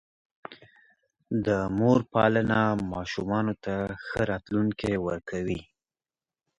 د مور پالنه ماشومانو ته ښه راتلونکی ورکوي.